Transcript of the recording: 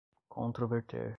controverter